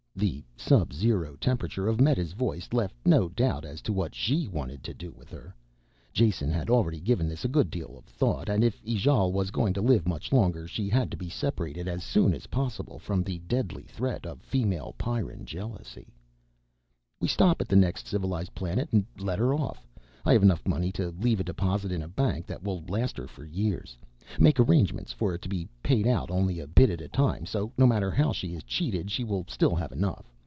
The sub zero temperature of Meta's voice left no doubt as to what she wanted to do with her. Jason had already given this a good deal of thought, and if Ijale was going to live much longer she had to be separated as soon as possible from the deadly threat of female Pyrran jealousy. "We stop at the next civilized planet and let her off. I have enough money to leave a deposit in a bank that will last her for years. Make arrangements for it to be paid out only a bit at a time, so no matter how she is cheated she will still have enough.